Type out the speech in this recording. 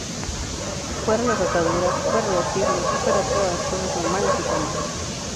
Fuera las ataduras, fuera los himnos, fuera todas las cosas normales y formales.